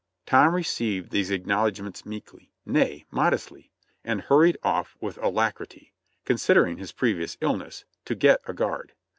Tom received these acknowledgements meekly — nay, modestly, and hurried of¥ with alacrity, considering his previous illness, to get a guard.